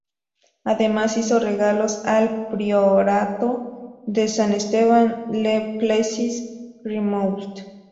Además hizo regalos al Priorato de San Esteban, Le Plessis-Grimoult.